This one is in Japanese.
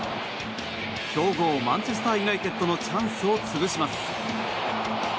強豪マンチェスター・ユナイテッドのチャンスを潰します。